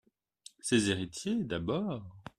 Ses héritiers ? D'abord.